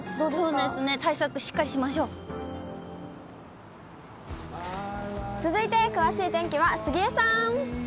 そうですね、対策しっかりし続いて、詳しい天気は杉江さん。